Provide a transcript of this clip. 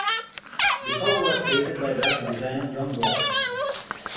The cover was created by graphic designer John Gall.